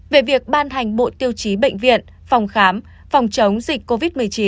về việc ban hành bộ tiêu chí bệnh viện phòng khám phòng chống dịch covid một mươi chín